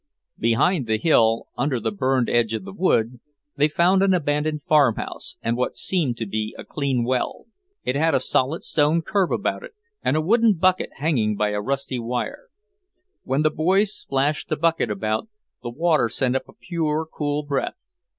Behind the hill, under the burned edge of the wood, they found an abandoned farmhouse and what seemed to be a clean well. It had a solid stone curb about it, and a wooden bucket hanging by a rusty wire. When the boys splashed the bucket about, the water sent up a pure, cool breath.